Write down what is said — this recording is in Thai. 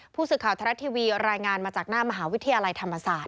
ผู้สื่อข่าวทรัฐทีวีรายงานมาจากหน้ามหาวิทยาลัยธรรมศาสตร์